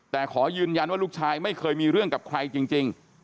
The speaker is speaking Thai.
แต่ขอยืนยันว่าลูกชายไม่เคยมีเรื่องกับใครจริง